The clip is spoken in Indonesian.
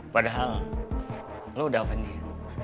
padahal lo udah apaan dia